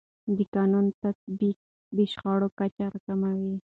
د قانون تطبیق د شخړو کچه راکموي.